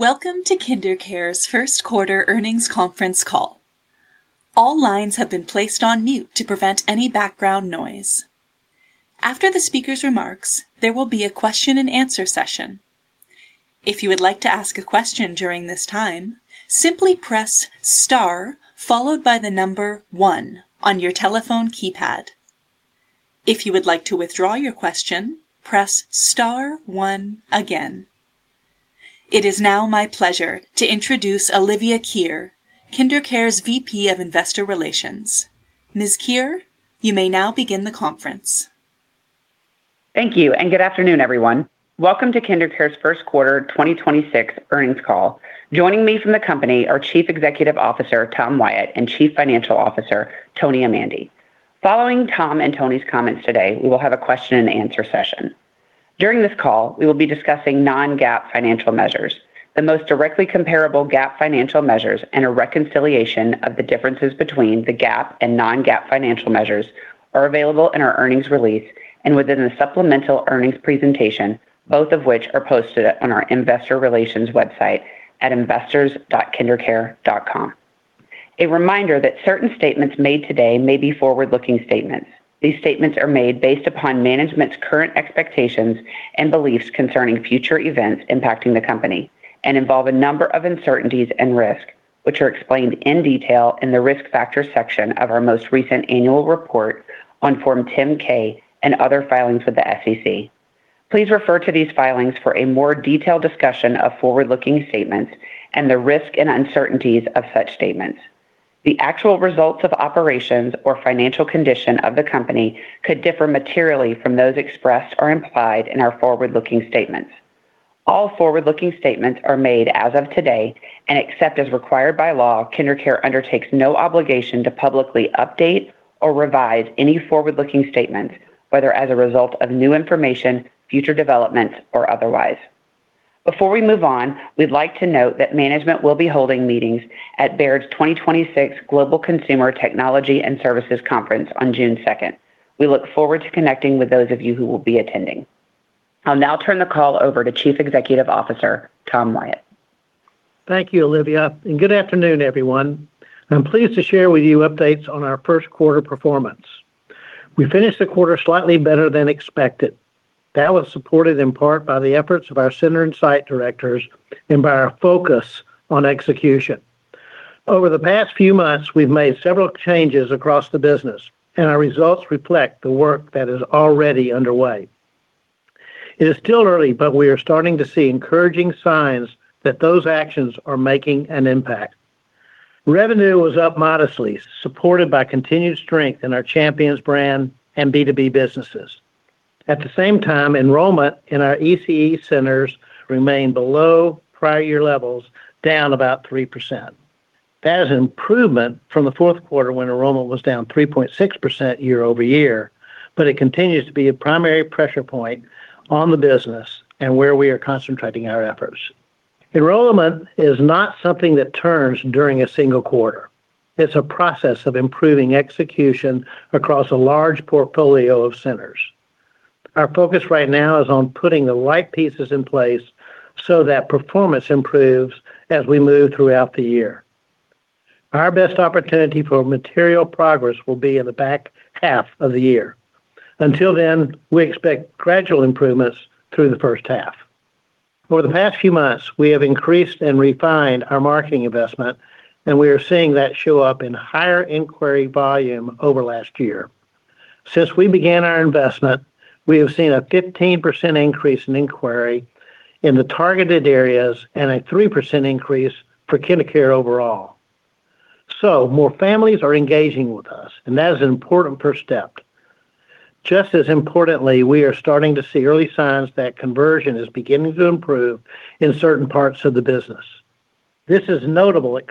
Welcome to KinderCare's first quarter earnings conference call. All lines have been placed on mute to prevent any background noise. After the speakers remarks there will be a question-and-answer session. If you would like to ask a question during his time simply press star followed by the number one on your telephone keypad. If you would like to withdraw your question press star one again. It is now my pleasure to introduce Olivia Kirrer, KinderCare's VP of Investor Relations. Ms. Kirrer, you may now begin the conference. Thank you and good afternoon, everyone. Welcome to KinderCare's first quarter 2026 earnings call. Joining me from the company are Chief Executive Officer, Tom Wyatt, and Chief Financial Officer, Tony Amandi. Following Tom and Tony's comments today, we will have a question-and-answer session. During this call, we will be discussing non-GAAP financial measures. The most directly comparable GAAP financial measures and a reconciliation of the differences between the GAAP and non-GAAP financial measures are available in our earnings release and within the supplemental earnings presentation, both of which are posted on our investor relations website at investors.kindercare.com. A reminder that certain statements made today may be forward-looking statements. These statements are made based upon management's current expectations and beliefs concerning future events impacting the company, and involve a number of uncertainties and risks, which are explained in detail in the Risk Factors section of our most recent annual report on Form 10-K and other filings with the SEC. Please refer to these filings for a more detailed discussion of forward-looking statements and the risks and uncertainties of such statements. The actual results of operations or financial condition of the company could differ materially from those expressed or implied in our forward-looking statements. All forward-looking statements are made as of today, and except as required by law, KinderCare undertakes no obligation to publicly update or revise any forward-looking statements, whether as a result of new information, future developments, or otherwise. Before we move on, we'd like to note that management will be holding meetings at Baird's 2026 Global Consumer Technology and Services Conference on June 2nd. We look forward to connecting with those of you who will be attending. I'll now turn the call over to Chief Executive Officer, Tom Wyatt. Thank you, Olivia, and good afternoon, everyone. I'm pleased to share with you updates on our first quarter performance. We finished the quarter slightly better than expected. That was supported in part by the efforts of our center and site directors and by our focus on execution. Over the past few months, we've made several changes across the business, and our results reflect the work that is already underway. It is still early, but we are starting to see encouraging signs that those actions are making an impact. Revenue was up modestly, supported by continued strength in our Champions brand and B2B businesses. At the same time, enrollment in our ECE centers remained below prior year levels, down about 3%. That is an improvement from the fourth quarter when enrollment was down 3.6% year-over-year, but it continues to be a primary pressure point on the business and where we are concentrating our efforts. Enrollment is not something that turns during a single quarter. It's a process of improving execution across a large portfolio of centers. Our focus right now is on putting the right pieces in place so that performance improves as we move throughout the year. Our best opportunity for material progress will be in the back half of the year. Until then, we expect gradual improvements through the first half. Over the past few months, we have increased and refined our marketing investment, and we are seeing that show up in higher inquiry volume over last year. Since we began our investment, we have seen a 15% increase in inquiry in the targeted areas and a 3% increase for KinderCare overall. More families are engaging with us, and that is an important first step. Just as importantly, we are starting to see early signs that conversion is beginning to improve in certain parts of the business. This is notable at Crème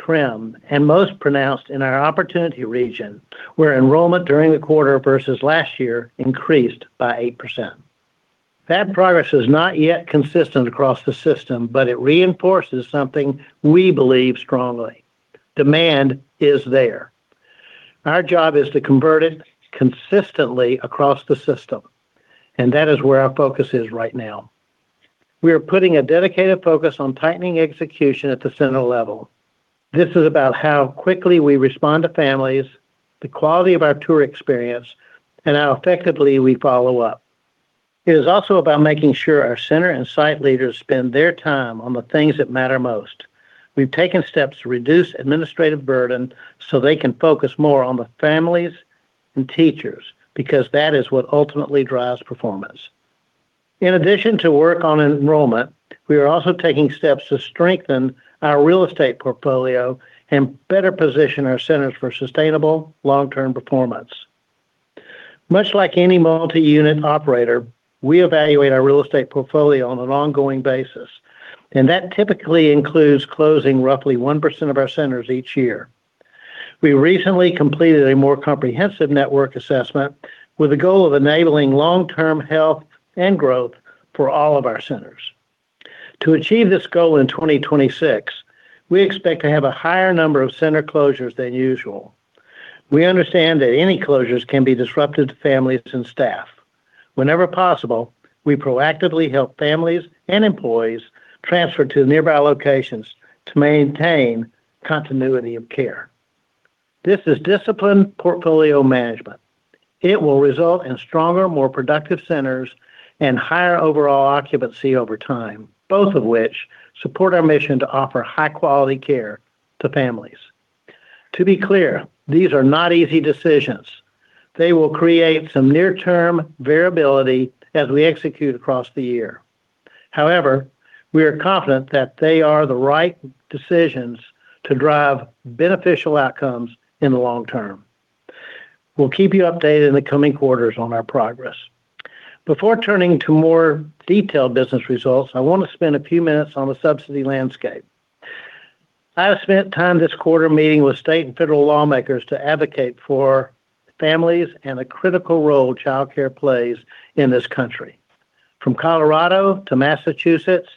de la Crème and most pronounced in our Opportunity Region, where enrollment during the quarter versus last year increased by 8%. That progress is not yet consistent across the system, it reinforces something we believe strongly. Demand is there. Our job is to convert it consistently across the system, that is where our focus is right now. We are putting a dedicated focus on tightening execution at the center level. This is about how quickly we respond to families, the quality of our tour experience, and how effectively we follow up. It is also about making sure our center and site leaders spend their time on the things that matter most. We've taken steps to reduce administrative burden so they can focus more on the families and teachers, because that is what ultimately drives performance. In addition to work on enrollment, we are also taking steps to strengthen our real estate portfolio and better position our centers for sustainable long-term performance. Much like any multi-unit operator, we evaluate our real estate portfolio on an ongoing basis, and that typically includes closing roughly 1% of our centers each year. We recently completed a more comprehensive network assessment with the goal of enabling long-term health and growth for all of our centers. To achieve this goal in 2026, we expect to have a higher number of center closures than usual. We understand that any closures can be disruptive to families and staff. Whenever possible, we proactively help families and employees transfer to nearby locations to maintain continuity of care. This is disciplined portfolio management. It will result in stronger, more productive centers and higher overall occupancy over time, both of which support our mission to offer high-quality care to families. To be clear, these are not easy decisions. They will create some near-term variability as we execute across the year. We are confident that they are the right decisions to drive beneficial outcomes in the long term. We'll keep you updated in the coming quarters on our progress. Before turning to more detailed business results, I want to spend a few minutes on the subsidy landscape. I have spent time this quarter meeting with state and federal lawmakers to advocate for families and the critical role childcare plays in this country. From Colorado to Massachusetts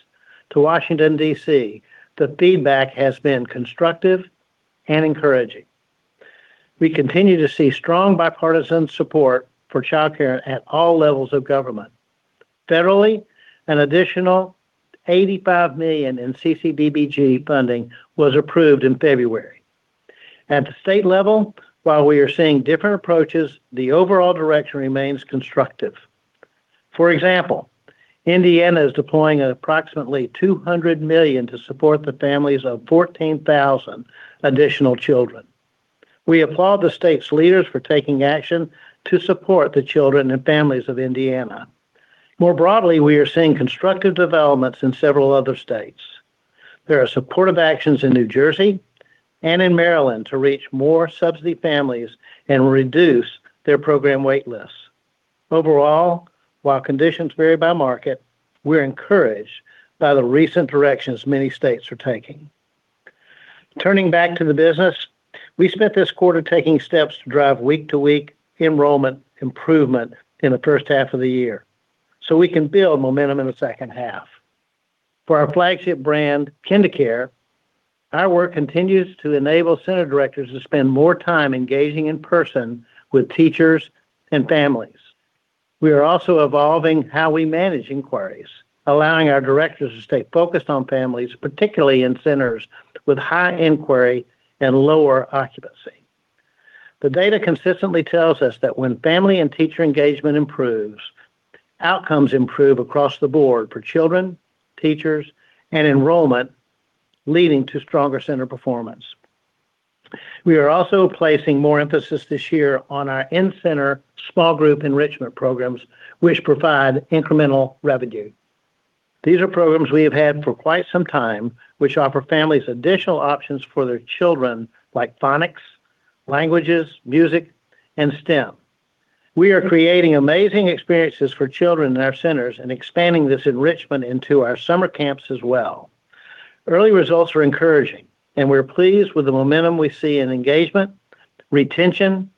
to Washington, D.C., the feedback has been constructive and encouraging. We continue to see strong bipartisan support for childcare at all levels of government. Federally, an additional $85 million in CCDBG funding was approved in February. At the state level, while we are seeing different approaches, the overall direction remains constructive. For example, Indiana is deploying approximately $200 million to support the families of 14,000 additional children. We applaud the state's leaders for taking action to support the children and families of Indiana. More broadly, we are seeing constructive developments in several other states. There are supportive actions in New Jersey and in Maryland to reach more subsidy families and reduce their program wait lists. Overall, while conditions vary by market, we're encouraged by the recent directions many states are taking. Turning back to the business, we spent this quarter taking steps to drive week-to-week enrollment improvement in the first half of the year, so we can build momentum in the second half. For our flagship brand, KinderCare, our work continues to enable center directors to spend more time engaging in person with teachers and families. We are also evolving how we manage inquiries, allowing our directors to stay focused on families, particularly in centers with high inquiry and lower occupancy. The data consistently tells us that when family and teacher engagement improves, outcomes improve across the board for children, teachers, and enrollment, leading to stronger center performance. We are also placing more emphasis this year on our in-center small group enrichment programs, which provide incremental revenue. These are programs we have had for quite some time, which offer families additional options for their children, like phonics, languages, music, and STEM. We are creating amazing experiences for children in our centers and expanding this enrichment into our summer camps as well. Early results are encouraging, and we're pleased with the momentum we see in engagement, retention,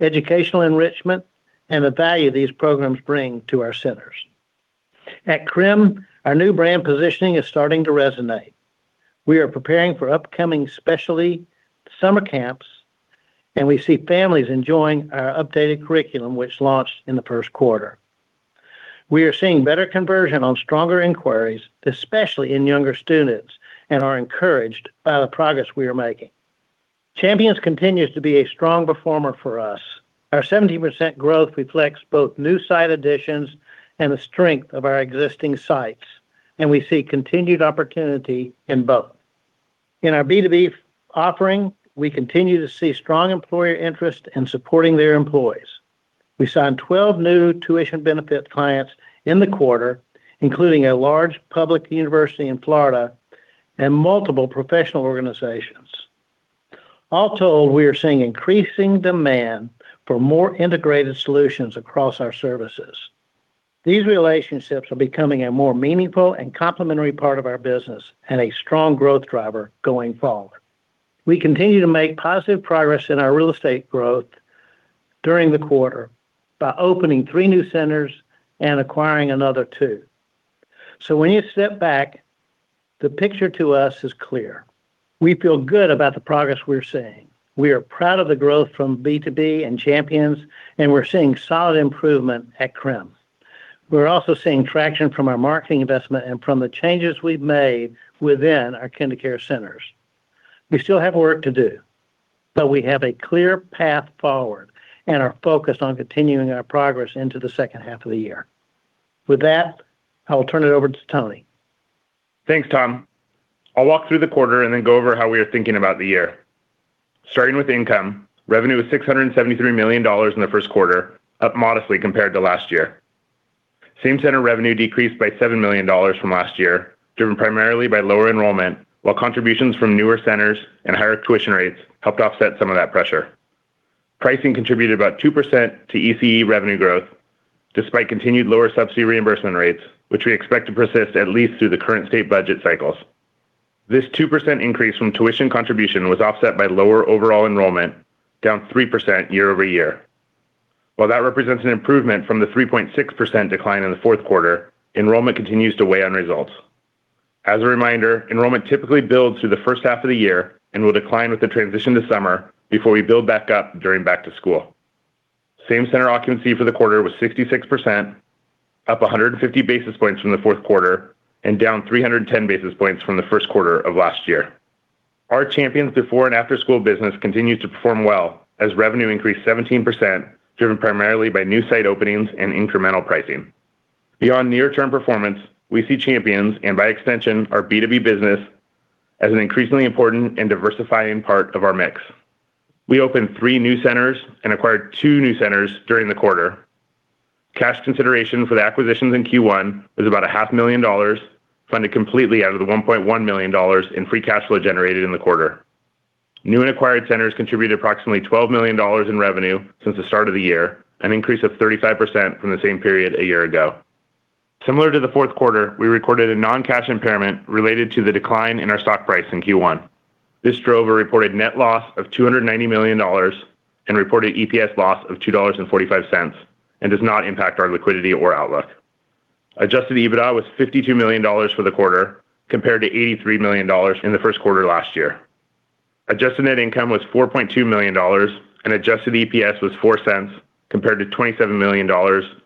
educational enrichment, and the value these programs bring to our centers. At Crème de la Crème, our new brand positioning is starting to resonate. We are preparing for upcoming specialty summer camps, and we see families enjoying our updated curriculum, which launched in the first quarter. We are seeing better conversion on stronger inquiries, especially in younger students, and are encouraged by the progress we are making. Champions continues to be a strong performer for us. Our 70% growth reflects both new site additions and the strength of our existing sites. We see continued opportunity in both. In our B2B offering, we continue to see strong employer interest in supporting their employees. We signed 12 new tuition benefit clients in the quarter, including a large public university in Florida and multiple professional organizations. All told, we are seeing increasing demand for more integrated solutions across our services. These relationships are becoming a more meaningful and complementary part of our business and a strong growth driver going forward. We continue to make positive progress in our real estate growth during the quarter by opening three new centers and acquiring another two. When you step back, the picture to us is clear. We feel good about the progress we are seeing. We are proud of the growth from B2B and Champions, and we're seeing solid improvement at Crème de la Crème. We're also seeing traction from our marketing investment and from the changes we've made within our KinderCare centers. We still have work to do, but we have a clear path forward and are focused on continuing our progress into the second half of the year. With that, I will turn it over to Tony. Thanks, Tom. I'll walk through the quarter and then go over how we are thinking about the year. Starting with income, revenue was $673 million in the first quarter, up modestly compared to last year. Same-center revenue decreased by $7 million from last year, driven primarily by lower enrollment, while contributions from newer centers and higher tuition rates helped offset some of that pressure. Pricing contributed about 2% to ECE revenue growth, despite continued lower subsidy reimbursement rates, which we expect to persist at least through the current state budget cycles. This 2% increase from tuition contribution was offset by lower overall enrollment, down 3% year-over-year. While that represents an improvement from the 3.6% decline in the fourth quarter, enrollment continues to weigh on results. As a reminder, enrollment typically builds through the first half of the year and will decline with the transition to summer before we build back up during back to school. Same center occupancy for the quarter was 66%, up 150 basis points from the fourth quarter and down 310 basis points from the first quarter of last year. Our Champions before and after school business continued to perform well as revenue increased 17%, driven primarily by new site openings and incremental pricing. Beyond near-term performance, we see Champions, and by extension our B2B business, as an increasingly important and diversifying part of our mix. We opened three new centers and acquired two new centers during the quarter. Cash consideration for the acquisitions in Q1 was about a half million dollars, funded completely out of the $1.1 million in free cash flow generated in the quarter. New and acquired centers contributed approximately $12 million in revenue since the start of the year, an increase of 35% from the same period a year ago. Similar to the fourth quarter, we recorded a non-cash impairment related to the decline in our stock price in Q1. This drove a reported net loss of $290 million and reported EPS loss of $2.45, and does not impact our liquidity or outlook. Adjusted EBITDA was $52 million for the quarter compared to $83 million in the first quarter last year. Adjusted net income was $4.2 million, and adjusted EPS was $0.04 compared to $27 million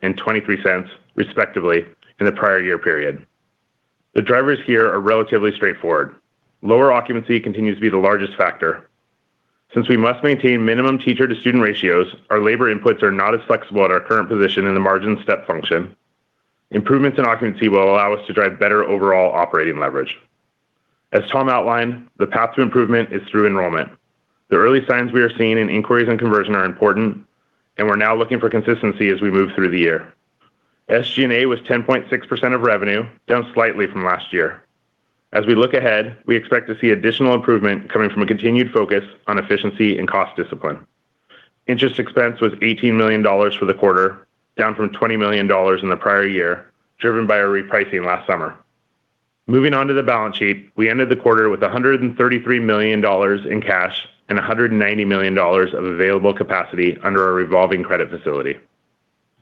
and $0.23 respectively in the prior year period. The drivers here are relatively straightforward. Lower occupancy continues to be the largest factor. Since we must maintain minimum teacher-to-student ratios, our labor inputs are not as flexible at our current position in the margin step function. Improvements in occupancy will allow us to drive better overall operating leverage. As Tom outlined, the path to improvement is through enrollment. The early signs we are seeing in inquiries and conversion are important, and we're now looking for consistency as we move through the year. SG&A was 10.6% of revenue, down slightly from last year. As we look ahead, we expect to see additional improvement coming from a continued focus on efficiency and cost discipline. Interest expense was $18 million for the quarter, down from $20 million in the prior year, driven by our repricing last summer. Moving on to the balance sheet, we ended the quarter with $133 million in cash and $190 million of available capacity under our revolving credit facility.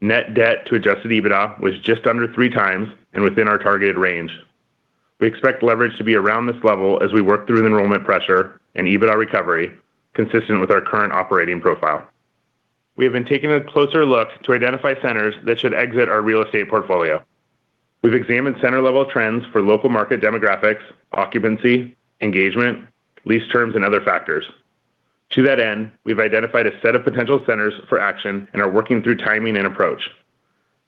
Net debt to adjusted EBITDA was just under 3x and within our targeted range. We expect leverage to be around this level as we work through the enrollment pressure and EBITDA recovery consistent with our current operating profile. We have been taking a closer look to identify centers that should exit our real estate portfolio. We've examined center-level trends for local market demographics, occupancy, engagement, lease terms, and other factors. To that end, we've identified a set of potential centers for action and are working through timing and approach.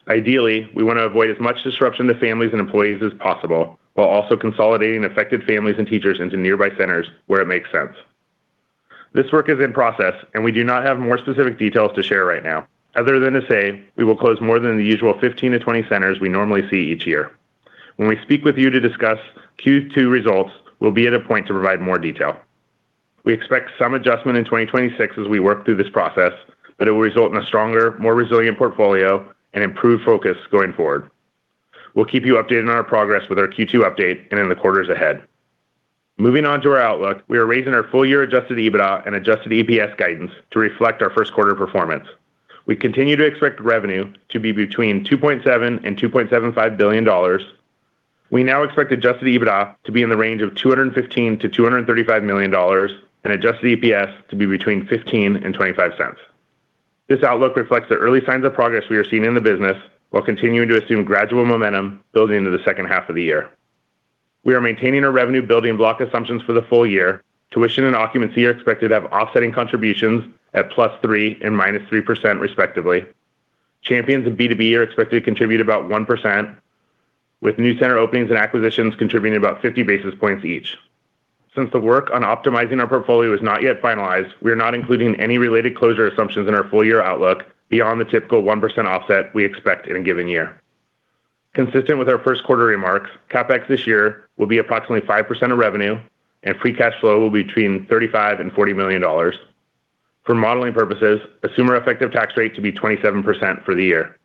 Ideally, we want to avoid as much disruption to families and employees as possible, while also consolidating affected families and teachers into nearby centers where it makes sense. This work is in process, and we do not have more specific details to share right now, other than to say we will close more than the usual 15-20 centers we normally see each year. When we speak with you to discuss Q2 results, we'll be at a point to provide more detail. We expect some adjustment in 2026 as we work through this process, but it will result in a stronger, more resilient portfolio and improved focus going forward. We'll keep you updated on our progress with our Q2 update and in the quarters ahead. Moving on to our outlook, we are raising our full year adjusted EBITDA and adjusted EPS guidance to reflect our first quarter performance. We continue to expect revenue to be between $2.7 billion and $2.75 billion. We now expect adjusted EBITDA to be in the range of $215 million-$235 million and adjusted EPS to be between $0.15 and $0.25. This outlook reflects the early signs of progress we are seeing in the business, while continuing to assume gradual momentum building into the second half of the year. We are maintaining our revenue building block assumptions for the full year. Tuition and occupancy are expected to have offsetting contributions at +3% and -3% respectively. Champions and B2B are expected to contribute about 1%, with new center openings and acquisitions contributing about 50 basis points each. Since the work on optimizing our portfolio is not yet finalized, we are not including any related closure assumptions in our full year outlook beyond the typical 1% offset we expect in a given year. Consistent with our first quarter remarks, CapEx this year will be approximately 5% of revenue, and free cash flow will be between $35 million and $40 million. For modeling purposes, assume our effective tax rate to be 27% for the year.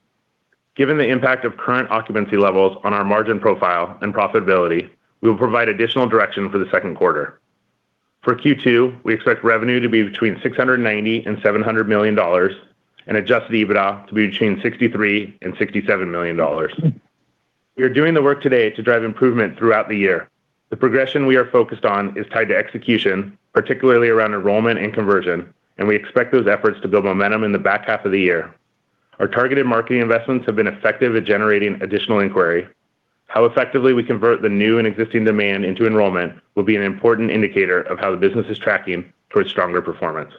Given the impact of current occupancy levels on our margin profile and profitability, we will provide additional direction for the second quarter. For Q2, we expect revenue to be between $690 million and $700 million and adjusted EBITDA to be between $63 million and $67 million. We are doing the work today to drive improvement throughout the year. The progression we are focused on is tied to execution, particularly around enrollment and conversion, and we expect those efforts to build momentum in the back half of the year. Our targeted marketing investments have been effective at generating additional inquiry. How effectively we convert the new and existing demand into enrollment will be an important indicator of how the business is tracking towards stronger performance.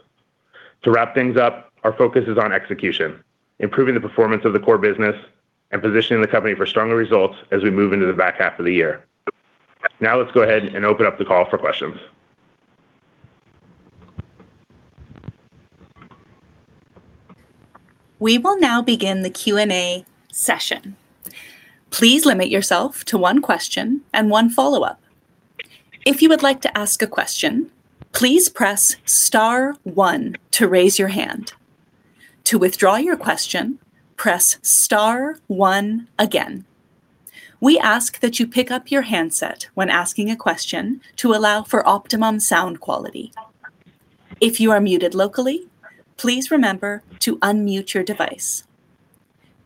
To wrap things up, our focus is on execution, improving the performance of the core business, and positioning the company for stronger results as we move into the back half of the year. Now let's go ahead and open up the call for questions. We will now begin the Q&A session, please limit yourself to one question and one follow-up. If you would like to ask a question please press star one to raise your hand. To withdraw your question press star one again. We ask that you pick up your handset when asking a question to allow for optimum sound quality. If you're muted locally please remember to unmute your device.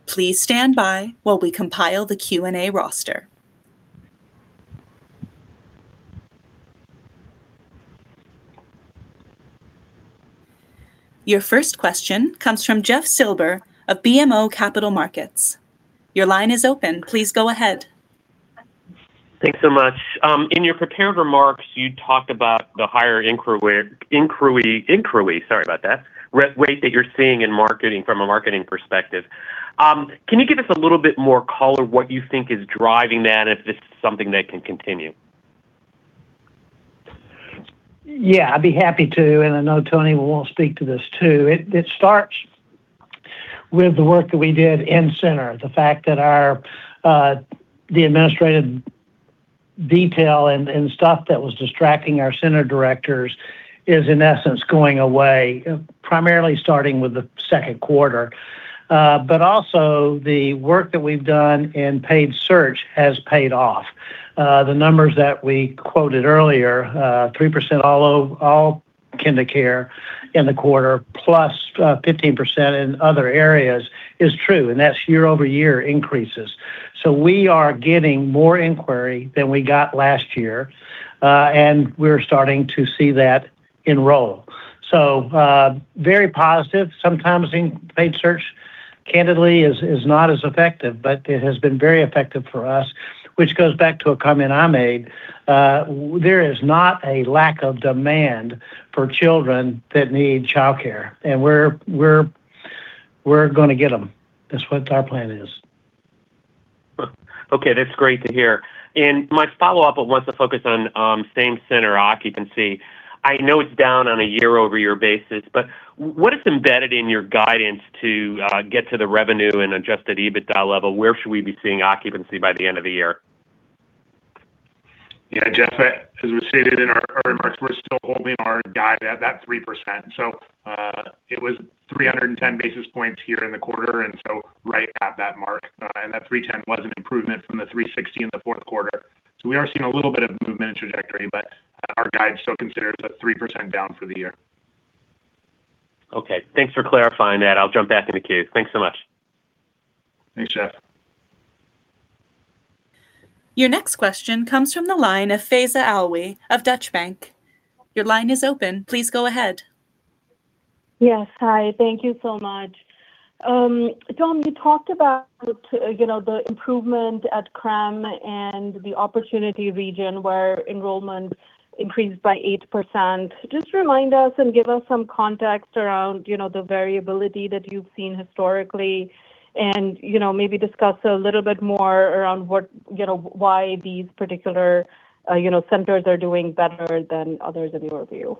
Please standby while we compile the Q&A roster. Your first question comes from Jeff Silber of BMO Capital Markets. Your line is open. Please go ahead. Thanks so much. In your prepared remarks, you talked about the higher inquiry, sorry about that, re-rate that you're seeing in marketing from a marketing perspective. Can you give us a little bit more color what you think is driving that, if this is something that can continue? Yeah, I'd be happy to, and I know Tony won't speak to this too. It starts with the work that we did in center. The fact that our administrative detail and stuff that was distracting our center directors is in essence going away, primarily starting with the second quarter. Also, the work that we've done in paid search has paid off. The numbers that we quoted earlier, 3% all KinderCare in the quarter +15% in other areas is true, and that's year-over-year increases. We are getting more inquiry than we got last year, and we're starting to see that enroll. Very positive. Sometimes in paid search, candidly, is not as effective, but it has been very effective for us, which goes back to a comment I made. There is not a lack of demand for children that need childcare, and we're gonna get them. That's what our plan is. Okay, that's great to hear. My follow-up, I want to focus on same center occupancy. I know it's down on a year-over-year basis, what is embedded in your guidance to get to the revenue and adjusted EBITDA level? Where should we be seeing occupancy by the end of the year? Yeah, Jeff, as we stated in our remarks, we're still holding our guide at that 3%. It was 310 basis points here in the quarter, right at that mark. That 310 was an improvement from the 360 in the fourth quarter. We are seeing a little bit of movement and trajectory, but our guide's still considered at 3% down for the year. Okay. Thanks for clarifying that. I'll jump back in the queue. Thanks so much. Thanks, Jeff. Your next question comes from the line of Faiza Alwy of Deutsche Bank. Your line is open. Please go ahead. Yes. Hi. Thank you so much. Tom, you talked about, you know, the improvement at Crème de la Crème and the Opportunity Region where enrollment increased by 8%. Just remind us and give us some context around, you know, the variability that you've seen historically and, you know, maybe discuss a little bit more around what, you know, why these particular, you know, centers are doing better than others in your view.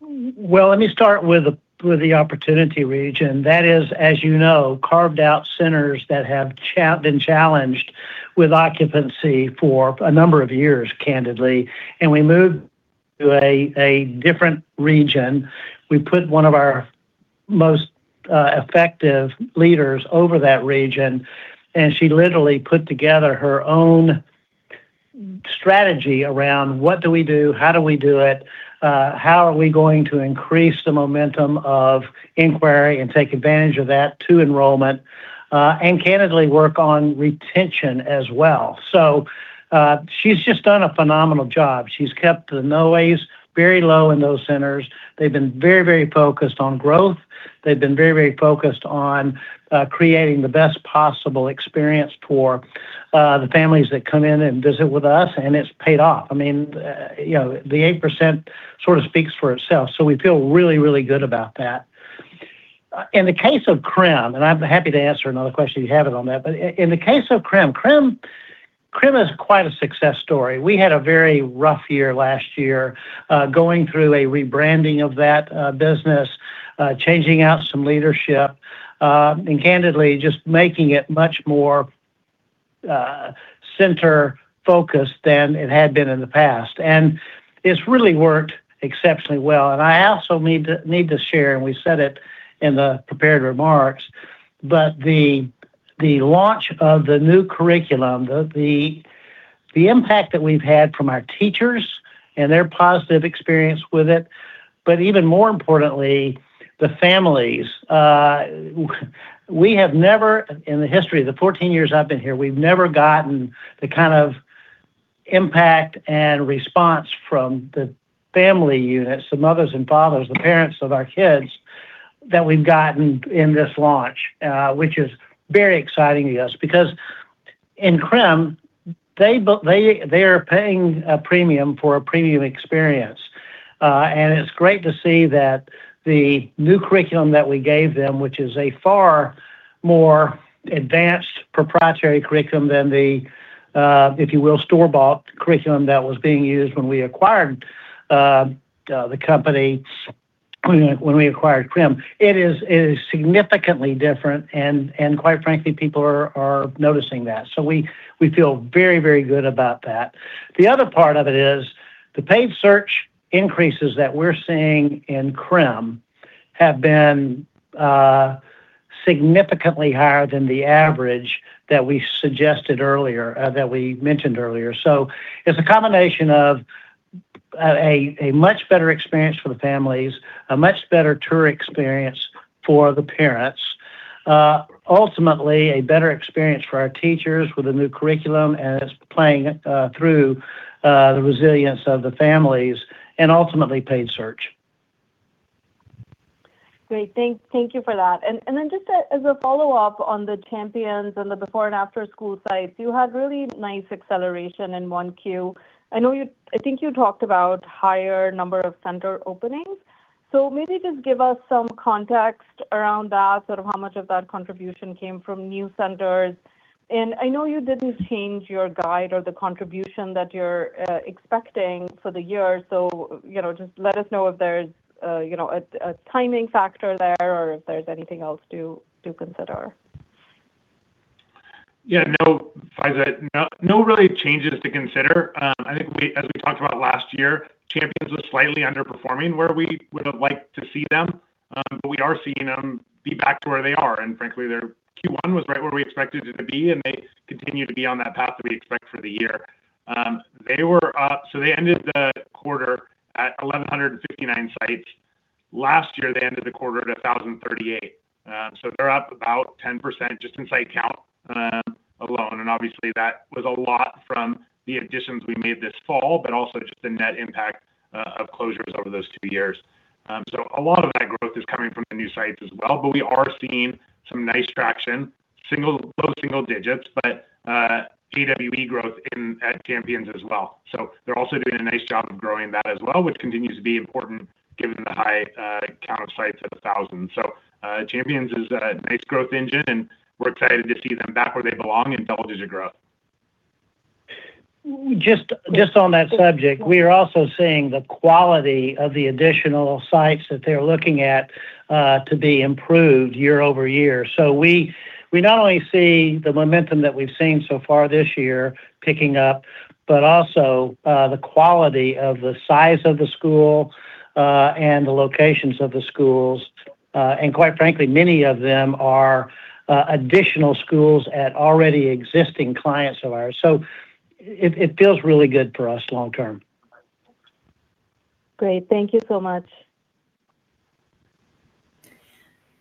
Well, let me start with the Opportunity Region. That is, as you know, carved out centers that have been challenged with occupancy for a number of years, candidly. We moved to a different region. We put one of our most effective leaders over that region, she literally put together her own strategy around what do we do, how do we do it, how are we going to increase the momentum of inquiry and take advantage of that to enrollment, and candidly work on retention as well. She's just done a phenomenal job. She's kept the no-shows very low in those centers. They've been very focused on growth. They've been very focused on creating the best possible experience for the families that come in and visit with us, it's paid off. I mean, you know, the 8% sort of speaks for itself, so we feel really, really good about that. In the case of Crème de la Crème, and I'm happy to answer another question you have it on that. In the case of Crème de la Crème is quite a success story. We had a very rough year last year, going through a rebranding of that business, changing out some leadership, and candidly just making it much more center-focused than it had been in the past. It's really worked exceptionally well. I also need to share, and we said it in the prepared remarks, but the launch of the new curriculum, the impact that we've had from our teachers and their positive experience with it, but even more importantly, the families. We have never in the history, the 14 years I've been here, we've never gotten the kind of impact and response from the family units, the mothers and fathers, the parents of our kids, that we've gotten in this launch, which is very exciting to us. Because in Crème de la Crème, they are paying a premium for a premium experience. And it's great to see that the new curriculum that we gave them, which is a far more advanced proprietary curriculum than the, if you will, store-bought curriculum that was being used when we acquired the company, when we acquired Crème. It is significantly different, and quite frankly, people are noticing that. We feel very good about that. The other part of it is the paid search increases that we're seeing in Crème have been significantly higher than the average that we suggested earlier that we mentioned earlier. It's a combination of a much better experience for the families, a much better tour experience for the parents. Ultimately, a better experience for our teachers with the new curriculum, and it's playing through the resilience of the families, and ultimately paid search. Great. Thank you for that. Then just as a follow-up on the Champions and the before and after school sites, you had really nice acceleration in 1Q. I know I think you talked about higher number of center openings. Maybe just give us some context around that, sort of how much of that contribution came from new centers. I know you didn't change your guide or the contribution that you're expecting for the year, so, you know, just let us know if there's, you know, a timing factor there or if there's anything else to consider. Yeah. No, Faiza. No, no really changes to consider. I think as we talked about last year, Champions was slightly underperforming where we would have liked to see them. We are seeing them be back to where they are. Frankly, their Q1 was right where we expected it to be, and they continue to be on that path that we expect for the year. They were up. They ended the quarter at 1,159 sites. Last year, they ended the quarter at 1,038. They're up about 10% just in site count alone. Obviously, that was a lot from the additions we made this fall, also just the net impact of closures over those two years. A lot of that growth is coming from the new sites as well, but we are seeing some nice traction. Single, low single digits, but AWE growth at Champions as well. They're also doing a nice job of growing that as well, which continues to be important given the high count of sites at 1,000. Champions is a nice growth engine, and we're excited to see them back where they belong in double-digit growth. Just on that subject, we are also seeing the quality of the additional sites that they're looking at to be improved year-over-year. We not only see the momentum that we've seen so far this year picking up, but also the quality of the size of the school and the locations of the schools. Quite frankly, many of them are additional schools at already existing clients of ours. It feels really good for us long term. Great. Thank you so much.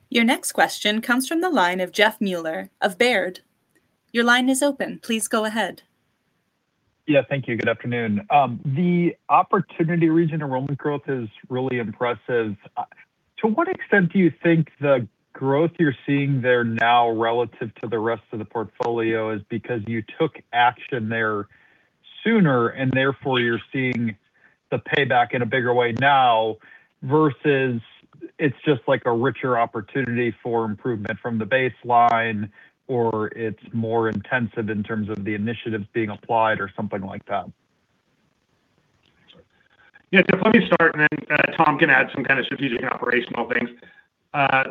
Your next question comes from the line of Jeff Meuler of Baird. Your line is open. Please go ahead. Yeah, thank you. Good afternoon. The Opportunity Region enrollment growth is really impressive. To what extent do you think the growth you're seeing there now relative to the rest of the portfolio is because you took action there sooner, and therefore you're seeing the payback in a bigger way now, versus it's just like a richer opportunity for improvement from the baseline, or it's more intensive in terms of the initiatives being applied or something like that? Yeah, Jeff, let me start, and then Tom can add some kind of strategic and operational things.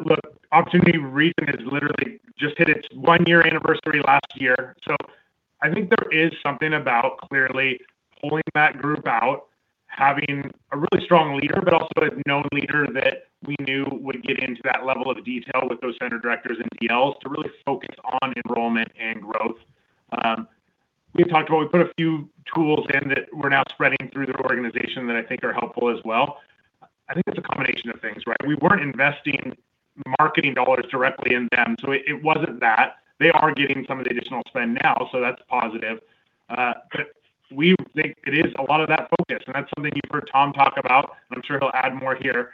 Look, Opportunity Region has literally just hit its one-year anniversary last year. I think there is something about clearly pulling that group out, having a really strong leader, but also a known leader that we knew would get into that level of detail with those center directors and DLs to really focus on enrollment and growth. We've talked about we put a few tools in that we're now spreading through the organization that I think are helpful as well. I think it's a combination of things, right? We weren't investing marketing dollars directly in them, it wasn't that. They are getting some of the additional spend now, that's positive. We think it is a lot of that focus, and that's something you've heard Tom talk about. I'm sure he'll add more here.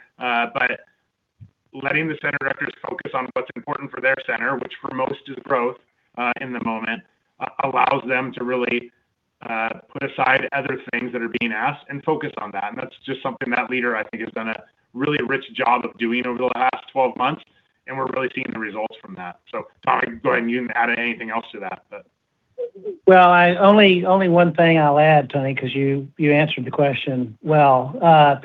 Letting the center directors focus on what's important for their center, which for most is growth, in the moment, allows them to really put aside other things that are being asked and focus on that. That's just something that leader I think has done a really rich job of doing over the last 12 months, and we're really seeing the results from that. Tom, go ahead and you can add anything else to that. Well, only one thing I'll add, Tony, 'cause you answered the question well.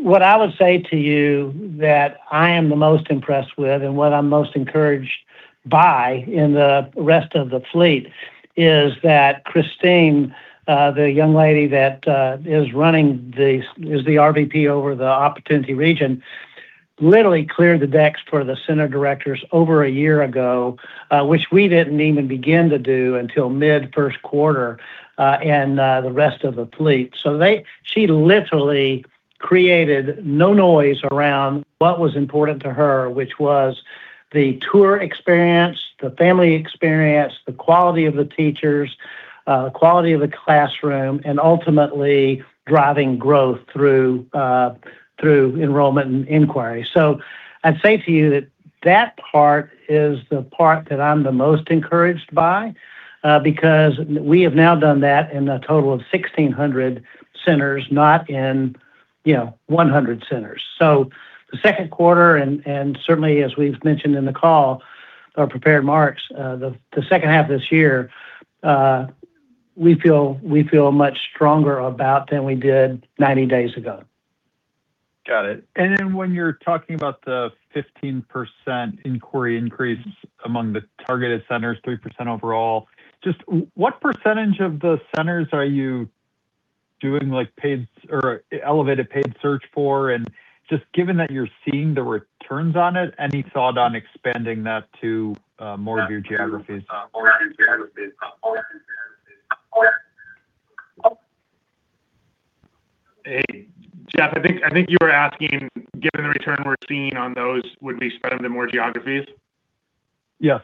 What I would say to you that I am the most impressed with and what I'm most encouraged by in the rest of the fleet is that Christine, the young lady that is the RVP over the Opportunity Region, literally cleared the decks for the center directors over a year ago, which we didn't even begin to do until mid-first quarter, in the rest of the fleet. She literally created no noise around what was important to her, which was the tour experience, the family experience, the quality of the teachers, quality of the classroom, and ultimately driving growth through enrollment and inquiry. I'd say to you that that part is the part that I'm the most encouraged by, because we have now done that in a total of 1,600 centers, not in, you know, 100 centers. The second quarter, and certainly as we've mentioned in the call, our prepared marks, the second half of this year, we feel much stronger about than we did 90 days ago. Got it. When you're talking about the 15% inquiry increase among the targeted centers, 3% overall, just what percentage of the centers are you doing like paid or elevated paid search for, and just given that you're seeing the returns on it, any thought on expanding that to more of your geographies? Hey, Jeff, I think you were asking, given the return we're seeing on those, would we spend them to more geographies? Yes.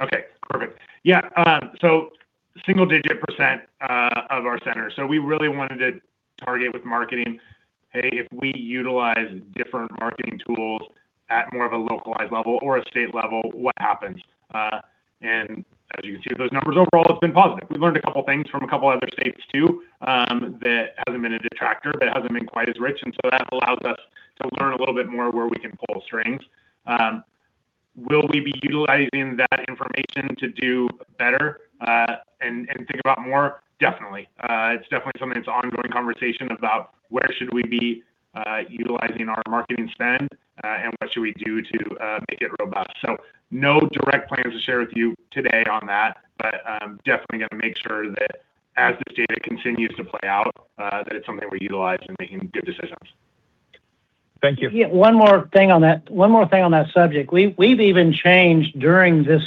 Okay. Perfect. Single-digit percent of our center. We really wanted to target with marketing, "Hey, if we utilize different marketing tools at more of a localized level or a state level, what happens?" As you can see those numbers overall have been positive. We learned a couple things from a couple other states too, that hasn't been a detractor, but it hasn't been quite as rich, that allows us to learn a little bit more where we can pull strings. Will we be utilizing that information to do better and think about more? Definitely. It's definitely something that's ongoing conversation about where should we be utilizing our marketing spend and what should we do to make it robust. No direct plans to share with you today on that, but I'm definitely gonna make sure that as this data continues to play out, that it's something we utilize in making good decisions. Thank you. Yeah, one more thing on that subject. We've even changed during this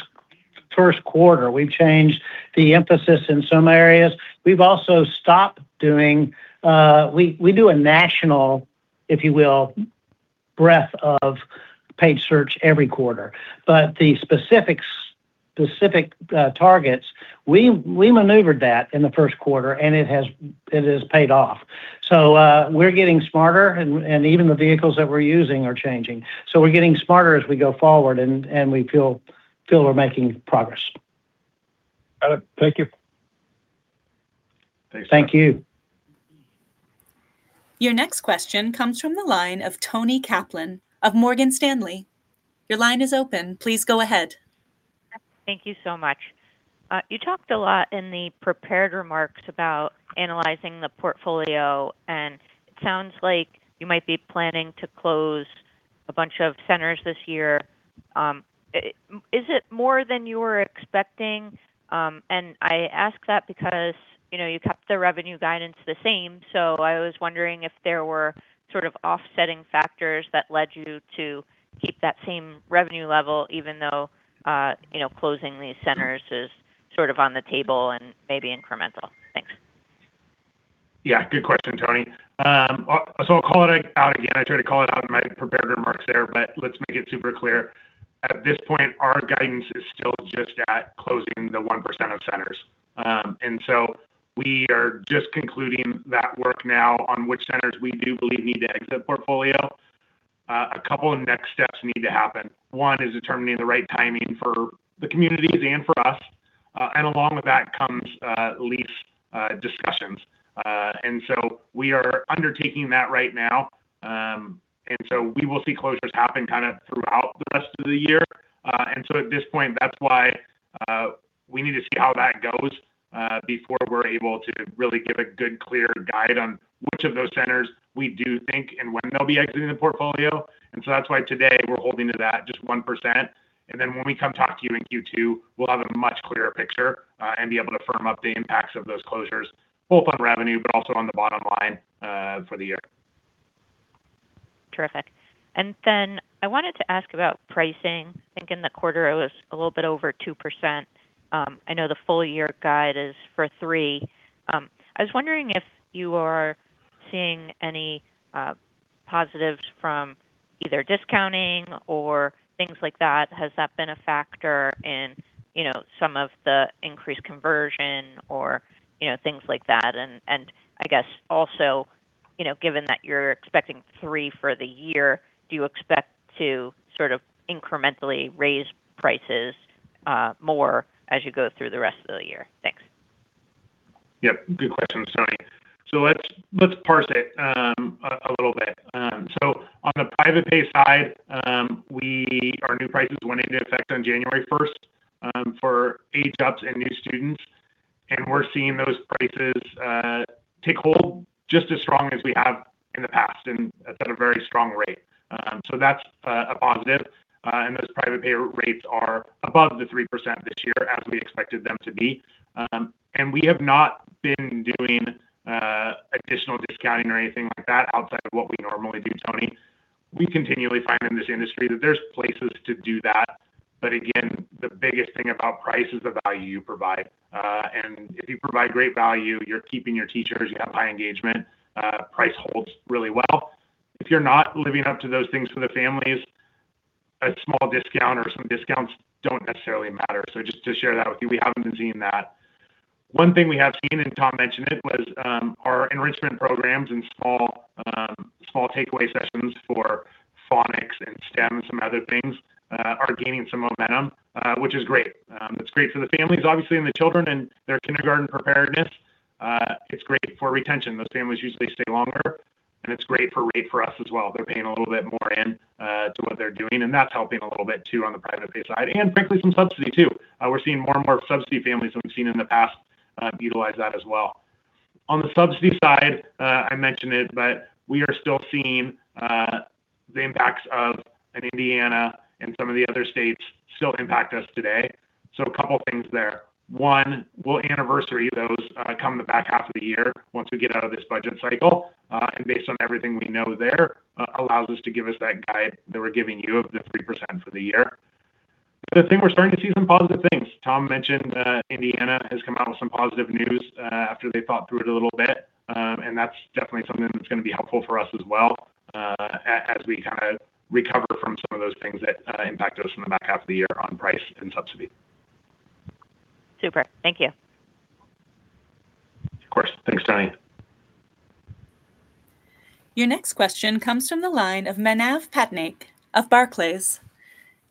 first quarter, we've changed the emphasis in some areas. We've also stopped doing, we do a national, if you will, breadth of paid search every quarter. The specific targets, we maneuvered that in the first quarter and it has paid off. We're getting smarter and even the vehicles that we're using are changing. We're getting smarter as we go forward and we feel we're making progress. Got it. Thank you. Thanks, Jeff. Thank you. Your next question comes from the line of Toni Kaplan of Morgan Stanley. Your line is open. Please go ahead. Thank you so much. You talked a lot in the prepared remarks about analyzing the portfolio, and it sounds like you might be planning to close a bunch of centers this year. Is it more than you were expecting? I ask that because, you know, you kept the revenue guidance the same. I was wondering if there were sort of offsetting factors that led you to keep that same revenue level even though, you know, closing these centers is sort of on the table and maybe incremental. Thanks. Yeah, good question, Toni. I'll call it out again. I tried to call it out in my prepared remarks there, let's make it super clear. At this point, our guidance is still just at closing the 1% of centers. We are just concluding that work now on which centers we do believe need to exit the portfolio. A couple of next steps need to happen. One is determining the right timing for the communities and for us, along with that comes lease discussions. We are undertaking that right now. We will see closures happen kind of throughout the rest of the year. At this point, that's why we need to see how that goes before we're able to really give a good, clear guide on which of those centers we do think and when they'll be exiting the portfolio. That's why today we're holding to that, just 1%. When we come talk to you in Q2, we'll have a much clearer picture and be able to firm up the impacts of those closures, both on revenue, but also on the bottom line for the year. Terrific. I wanted to ask about pricing. I think in the quarter it was a little bit over 2%. I know the full year guide is for three. I was wondering if you are seeing any positives from either discounting or things like that. Has that been a factor in, you know, some of the increased conversion or, you know, things like that? I guess also, you know, given that you're expecting three for the year, do you expect to sort of incrementally raise prices more as you go through the rest of the year? Thanks. Yep. Good question, Toni. Let's parse it a little bit. On the private pay side, our new prices went into effect on January 1st, for age ups and new students, and we're seeing those prices take hold just as strong as we have in the past and at a very strong rate. That's a positive. Those private payer rates are above the 3% this year, as we expected them to be. We have not been doing additional discounting or anything like that outside of what we normally do, Toni. We continually find in this industry that there's places to do that. Again, the biggest thing about price is the value you provide. If you provide great value, you're keeping your teachers, you have high engagement, price holds really well. If you're not living up to those things for the families, a small discount or some discounts don't necessarily matter. Just to share that with you, we haven't been seeing that. One thing we have seen, and Tom mentioned it, was our enrichment programs and small takeaway sessions for phonics and STEM and some other things are gaining some momentum, which is great. That's great for the families obviously, and the children and their kindergarten preparedness. It's great for retention. Those families usually stay longer, and it's great for rate for us as well. They're paying a little bit more in to what they're doing, and that's helping a little bit too on the private pay side. Frankly, some subsidy too. We're seeing more and more subsidy families than we've seen in the past, utilize that as well. On the subsidy side, I mentioned it, we are still seeing the impacts of in Indiana and some of the other states still impact us today. A couple things there. One, we'll anniversary those, come the back half of the year once we get out of this budget cycle. Based on everything we know there, allows us to give us that guide that we're giving you of the 3% for the year. I think we're starting to see some positive things. Tom mentioned, Indiana has come out with some positive news after they thought through it a little bit. That's definitely something that's gonna be helpful for us as well, as we kind of recover from some of those things that impact us in the back half of the year on price and subsidy. Super. Thank you. Of course. Thanks, Toni. Your next question comes from the line of Manav Patnaik of Barclays.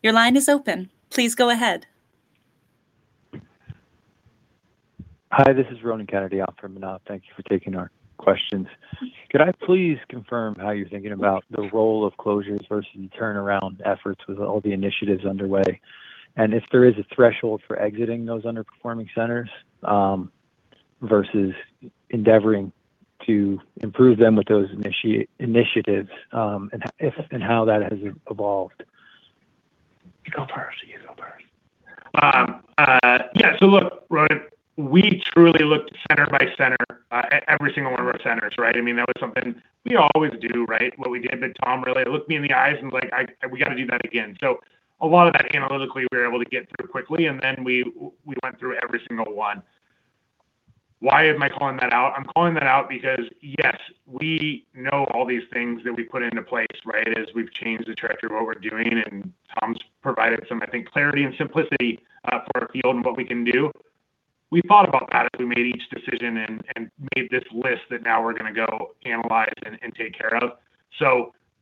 Your line is open. Please go ahead. Hi, this is Ronan Kennedy out from Manav. Thank you for taking our questions. Could I please confirm how you're thinking about the role of closures versus turnaround efforts with all the initiatives underway? If there is a threshold for exiting those underperforming centers, versus endeavoring to improve them with those initiatives, and if and how that has evolved? Look, Ronan, we truly looked center by center, every single one of our centers. I mean, that was something we always do. What we did, Tom really looked me in the eyes and was like, "We gotta do that again." A lot of that analytically, we were able to get through quickly, and then we went through every single one. Why am I calling that out? I'm calling that out because, yes, we know all these things that we put into place as we've changed the trajectory of what we're doing. Tom Wyatt's provided some, I think, clarity and simplicity for our field and what we can do. We thought about that as we made each decision and made this list that now we're gonna go analyze and take care of.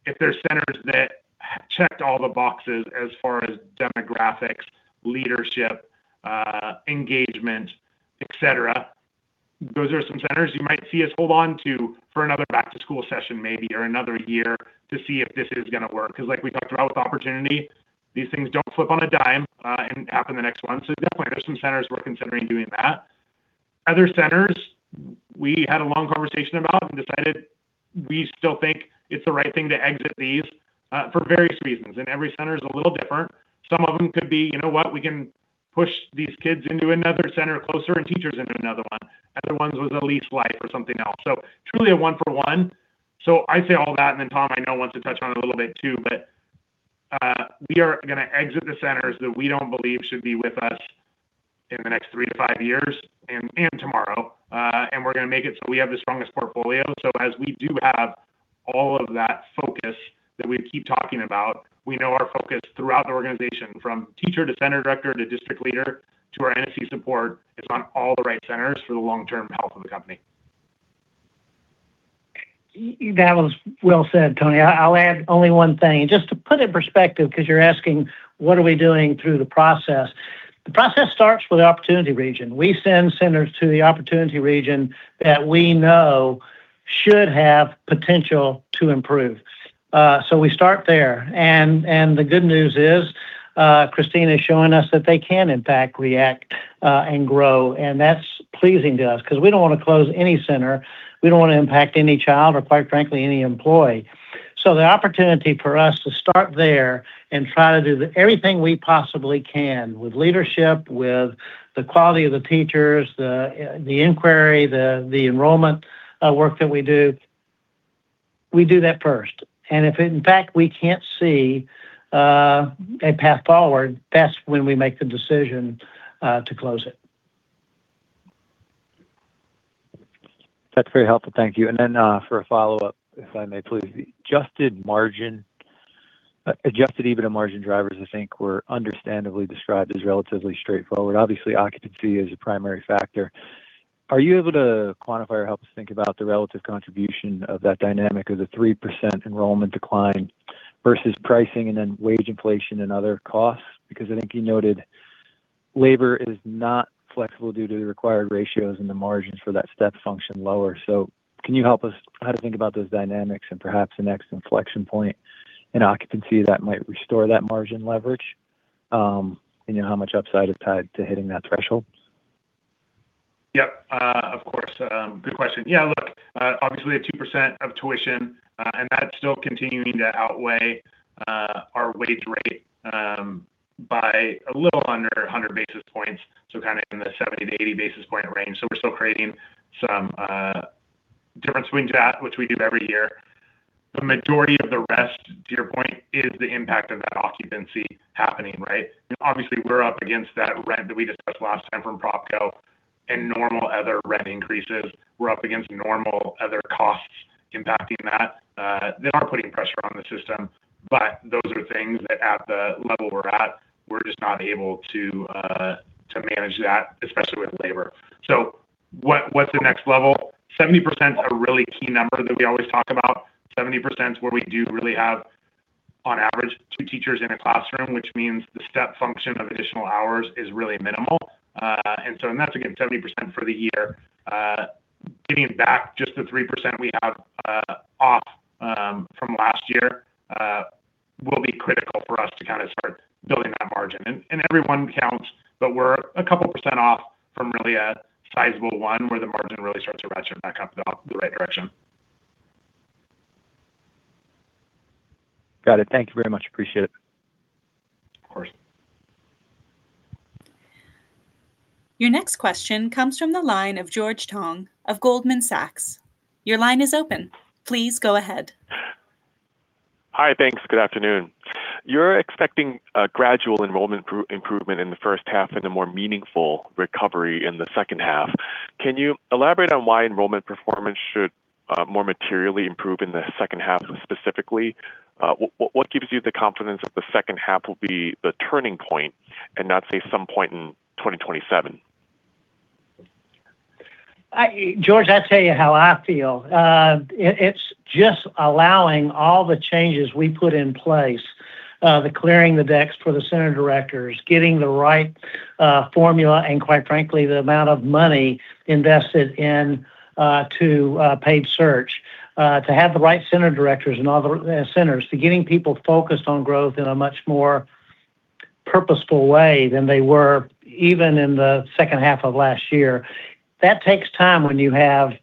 If there's centers that checked all the boxes as far as demographics, leadership, engagement, et cetera, those are some centers you might see us hold on to for another back to school session maybe or another year to see if this is gonna work. Because like we talked about with Opportunity Region, these things don't flip on a dime and happen the next month. Definitely, there's some centers we're considering doing that. Other centers we had a long conversation about and decided we still think it's the right thing to exit these for various reasons, and every center is a little different. Some of them could be, you know what? We can push these kids into another center closer, teachers into another one, and the ones with the least life or something else. Truly a 1 for 1. I say all that, then Tom I know wants to touch on it a little bit too. We are gonna exit the centers that we don't believe should be with us in the next three to five years and tomorrow. We're gonna make it so we have the strongest portfolio. As we do have all of that focus that we keep talking about, we know our focus throughout the organization, from teacher to center director to district leader to our NSC support, is on all the right centers for the long-term health of the company. That was well said, Tony. I'll add only one thing. Just to put in perspective, because you're asking what are we doing through the process. The process starts with the Opportunity Region. We send centers to the Opportunity Region that we know should have potential to improve. We start there. The good news is, Christina is showing us that they can in fact react and grow, and that's pleasing to us. Because we don't wanna close any center, we don't wanna impact any child, or quite frankly, any employee. The opportunity for us to start there and try to do the everything we possibly can with leadership, with the quality of the teachers, the inquiry, the enrollment work that we do, we do that first. If in fact we can't see, a path forward, that's when we make the decision, to close it. That's very helpful. Thank you. For a follow-up, if I may please. The adjusted EBITDA margin drivers I think were understandably described as relatively straightforward. Obviously, occupancy is a primary factor. Are you able to quantify or help us think about the relative contribution of that dynamic of the 3% enrollment decline versus pricing and then wage inflation and other costs? I think you noted labor is not flexible due to the required ratios and the margins for that step function lower. Can you help us how to think about those dynamics and perhaps the next inflection point in occupancy that might restore that margin leverage? You know, how much upside is tied to hitting that threshold? Yep. Of course. Good question. Obviously 2% of tuition, and that's still continuing to outweigh our wage rate by a little under 100 basis points, so kind of in the 70-80 basis point range. We're still creating some different swings at, which we do every year. The majority of the rest, to your point, is the impact of that occupancy happening, right? Obviously, we're up against that rent that we discussed last time from PropCo and normal other rent increases. We're up against normal other costs impacting that that are putting pressure on the system. Those are things that at the level we're at, we're just not able to manage that, especially with labor. What's the next level? 70%'s a really key number that we always talk about. 70 percent's where we do really have, on average, two teachers in a classroom, which means the step function of additional hours is really minimal. That's again, 70% for the year. Getting back just the 3% we have off from last year will be critical for us to kind of start building that margin. Everyone counts, but we're a couple percent off from really a sizable one where the margin really starts to ratchet back up the right direction. Got it. Thank you very much. Appreciate it. Of course. Your next question comes from the line of George Tong of Goldman Sachs. Your line is open. Please go ahead. Hi. Thanks. Good afternoon. You're expecting a gradual enrollment improvement in the first half and a more meaningful recovery in the second half. Can you elaborate on why enrollment performance should more materially improve in the second half, and specifically, what gives you the confidence that the second half will be the turning point and not, say, some point in 2027? I, George, I tell you how I feel. It's just allowing all the changes we put in place, the clearing the decks for the center directors, getting the right formula, and quite frankly, the amount of money invested in to paid search, to have the right center directors in all the centers, to getting people focused on growth in a much more purposeful way than they were even in the second half of last year. That takes time when you have,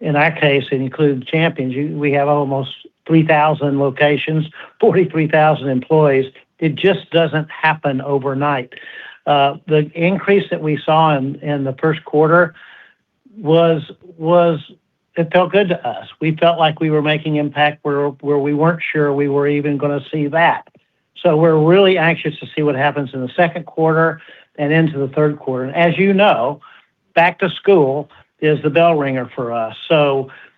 in our case, it includes Champions. We have almost 3,000 locations, 43,000 employees. It just doesn't happen overnight. The increase that we saw in the first quarter was It felt good to us. We felt like we were making impact where we weren't sure we were even gonna see that. We're really anxious to see what happens in the second quarter and into the third quarter. As you know, back to school is the bell ringer for us.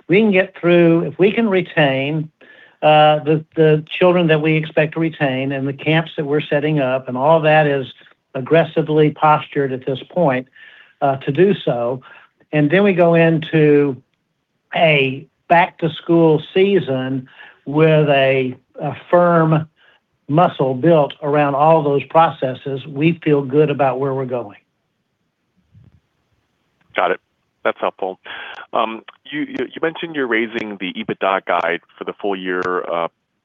We can get through, if we can retain the children that we expect to retain and the camps that we're setting up, and all that is aggressively postured at this point to do so, we go into a back to school season with a firm muscle built around all those processes, we feel good about where we're going. Got it. That's helpful. You mentioned you're raising the EBITDA guide for the full year,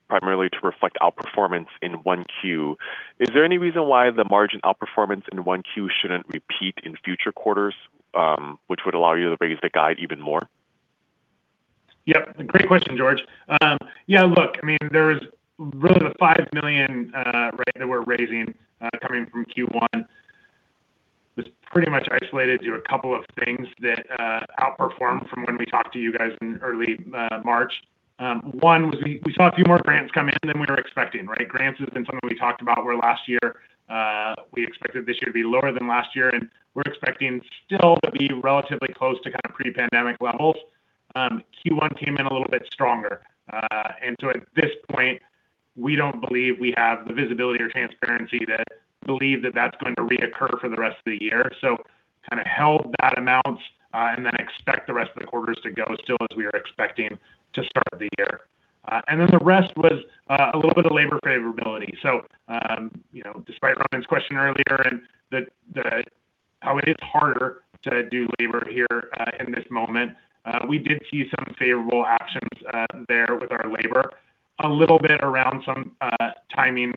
primarily to reflect outperformance in Q1. Is there any reason why the margin outperformance in Q1 shouldn't repeat in future quarters, which would allow you to raise the guide even more? Yep. Great question, George. Yeah, look, I mean, there's really the $5 million, right, that we're raising, coming from Q1. It's pretty much isolated to a couple of things that outperformed from when we talked to you guys in early March. One was we saw a few more grants come in than we were expecting, right? Grants has been something we talked about where last year, we expected this year to be lower than last year, and we're expecting still to be relatively close to kind of pre-pandemic levels. Q1 came in a little bit stronger. At this point, we don't believe we have the visibility or transparency to believe that that's going to reoccur for the rest of the year. Kind of held that amount, expect the rest of the quarters to go still as we are expecting to start the year. The rest was a little bit of labor favorability. You know, despite Ronan's question earlier and how it is harder to do labor here, in this moment, we did see some favorable actions there with our labor. A little bit around some timing,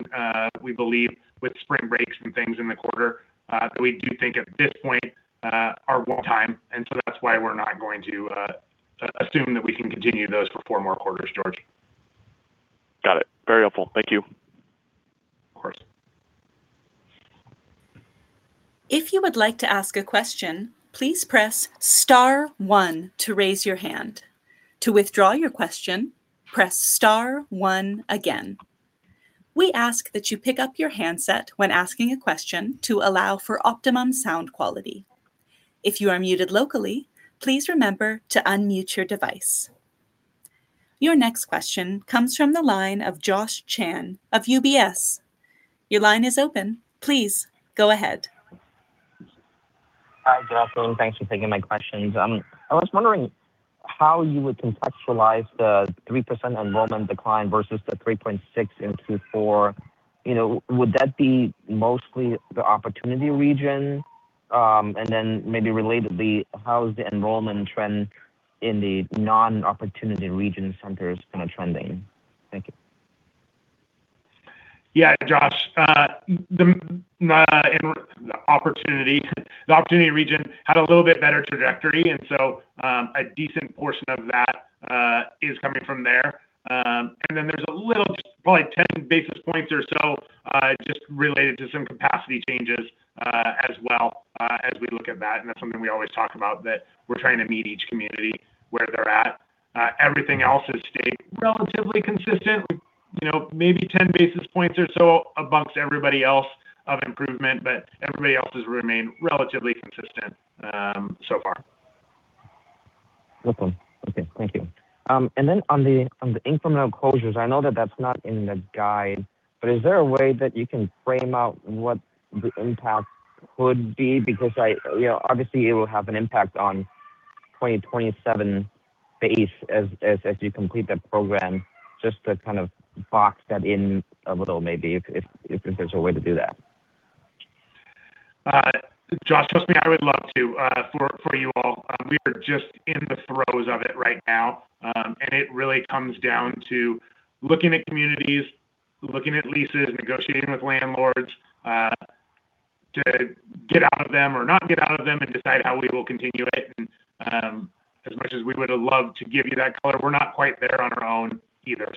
we believe with spring breaks and things in the quarter, that we do think at this point are one-time, that's why we're not going to assume that we can continue those for 4 more quarters, George. Got it. Very helpful. Thank you. Of course. Your next question comes from the line of Josh Chan of UBS. Your line is open. Please go ahead. Hi, gentlemen. Thanks for taking my questions. I was wondering how you would contextualize the 3% enrollment decline versus the 3.6% in Q4. You know, would that be mostly the Opportunity Region? Maybe relatedly, how's the enrollment trend in the non-Opportunity Region centers kind of trending? Thank you. Yeah, Josh. The Opportunity Region had a little bit better trajectory. A decent portion of that is coming from there. There's a little, probably 10 basis points or so, just related to some capacity changes as well as we look at that. That's something we always talk about, that we're trying to meet each community where they're at. Everything else has stayed relatively consistent. You know, maybe 10 basis points or so above everybody else of improvement, but everybody else has remained relatively consistent so far. Awesome. Okay. Thank you. On the, on the incremental closures, I know that that's not in the guide, but is there a way that you can frame out what the impact would be? Because I, you know, obviously it will have an impact on 2027 base as you complete the program, just to kind of box that in a little maybe if there's a way to do that. Josh, trust me, I would love to for you all. We are just in the throes of it right now. It really comes down to looking at communities, looking at leases, negotiating with landlords to get out of them or not get out of them and decide how we will continue it. As much as we would have loved to give you that color, we're not quite there on our own either.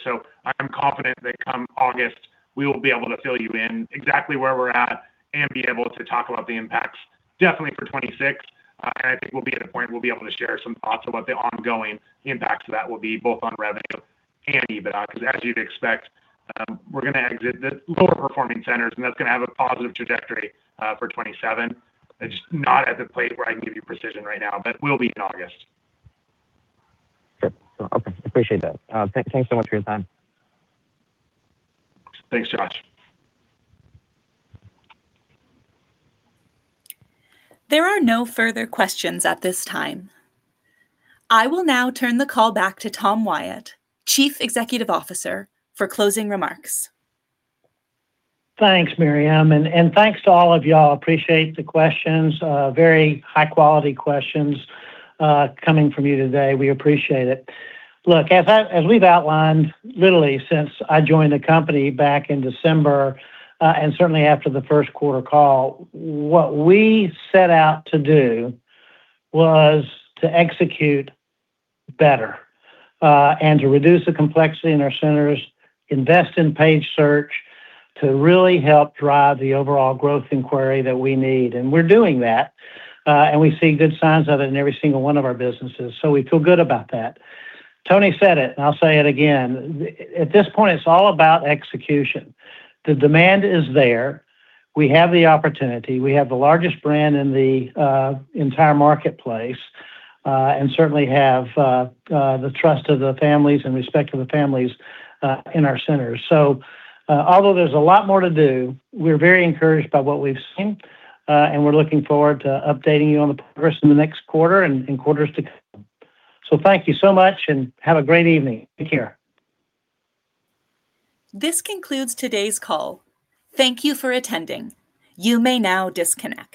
I'm confident that come August, we will be able to fill you in exactly where we're at and be able to talk about the impacts definitely for 2026. I think we'll be at a point we'll be able to share some thoughts about the ongoing impacts that will be both on revenue and EBITDA because as you'd expect, we're gonna exit the lower performing centers, and that's gonna have a positive trajectory, for 2027. It's just not at the place where I can give you precision right now, but will be in August. Sure. Okay, appreciate that. thanks so much for your time. Thanks, Josh. There are no further questions at this time. I will now turn the call back to Tom Wyatt, Chief Executive Officer, for closing remarks. Thanks, Miriam, and thanks to all of y'all. Appreciate the questions. Very high quality questions coming from you today. We appreciate it. Look, as we've outlined literally since I joined the company back in December, and certainly after the first quarter call, what we set out to do was to execute better, and to reduce the complexity in our centers, invest in paid search to really help drive the overall growth inquiry that we need, and we're doing that. We see good signs of it in every single one of our businesses. We feel good about that. Tony said it, and I'll say it again, at this point, it's all about execution. The demand is there. We have the opportunity. We have the largest brand in the entire marketplace, and certainly have the trust of the families and respect of the families in our centers. Although there's a lot more to do, we're very encouraged by what we've seen, and we're looking forward to updating you on the progress in the next quarter and in quarters to come. Thank you so much and have a great evening. Take care. This concludes today's call. Thank you for attending. You may now disconnect.